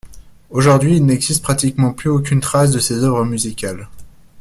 Aujourd'hui, il n'existe pratiquement plus aucune trace de ses œuvres musicales.